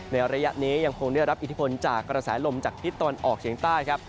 ระยะนี้ยังคงได้รับอิทธิพลจากกระแสลมจากทิศตะวันออกเฉียงใต้ครับ